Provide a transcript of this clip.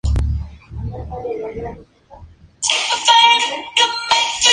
Tenía un conocido bosque sagrado y un gran monte real.